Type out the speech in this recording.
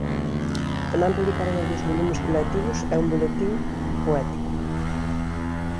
Tamén publicaron algúns volumes colectivos e un boletín poético.